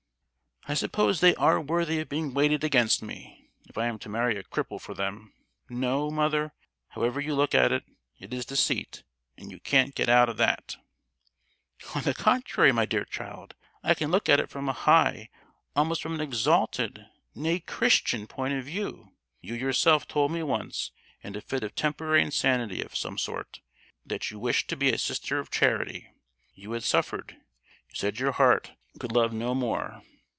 "I suppose they are worthy of being weighed against me, if I am to marry a cripple for them! No, mother, however you look at it, it is deceit, and you can't get out of that!" "On the contrary, my dear child, I can look at it from a high, almost from an exalted—nay, Christian—point of view. You, yourself, told me once, in a fit of temporary insanity of some sort, that you wished to be a sister of charity. You had suffered; you said your heart could love no more.